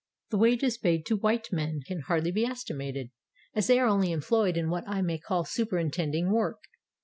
The wages paid to white men can hardly be estimated, as they are only employed in what I may call superintending work.